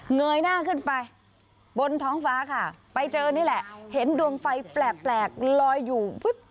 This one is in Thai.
เงยหน้าขึ้นไปบนท้องฟ้าค่ะไปเจอนี่แหละเห็นดวงไฟแปลกลอยอยู่